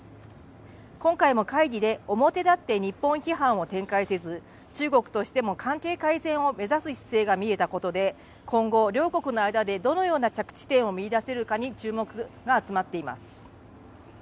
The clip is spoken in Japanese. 今回も会議で表立って日本批判を展開せず、中国としても関係改善を目指す姿勢が見えたことで今後、両国の間でどのような着地点を見出せるかに注目が集まっています。